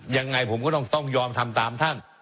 ยังไงผมก็ต้องยอมทำตามท่าน